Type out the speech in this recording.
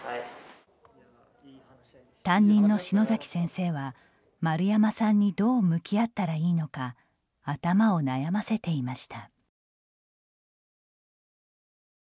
担任の篠崎先生は、丸山さんにどう向き合ったらいいのか頭を悩ませていました。